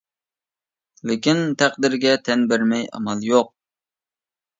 لېكىن تەقدىرگە تەن بەرمەي ئامال يوق.